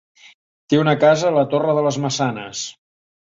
Té una casa a la Torre de les Maçanes.